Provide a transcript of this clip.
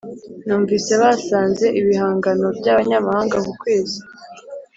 [numvise basanze ibihangano byabanyamahanga ku kwezi.